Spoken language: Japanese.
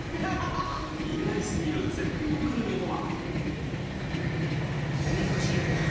意外すぎる絶品グルメとは？